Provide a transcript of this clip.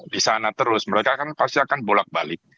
di sana terus mereka kan pasti akan bolak balik